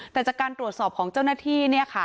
แต่จากการตรวจสอบของเจ้าหน้าที่